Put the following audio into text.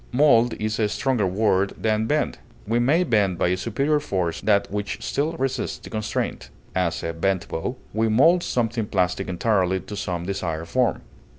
Mold is a stronger work than bend; we may bend by a superior force that which still resists the constraint; as, a bent bow; we mold something plastic entirely to some desired form.